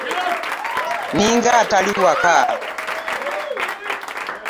Ninga atali Waka.